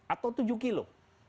atau tujuh kilo